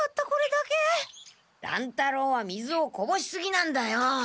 乱太郎は水をこぼしすぎなんだよ。